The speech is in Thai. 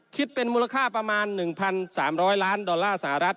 คิดเป็นมูลค่าประมาณ๑๓๐๐ล้านดอลลาร์สหรัฐ